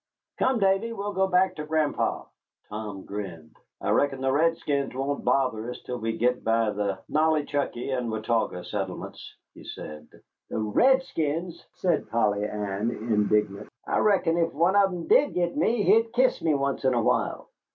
"Come, Davy, we'll go back to Grandpa." Tom grinned. "I reckon the redskins won't bother us till we git by the Nollichucky and Watauga settlements," he said. "The redskins!" said Polly Ann, indignant; "I reckon if one of 'em did git me he'd kiss me once in a while."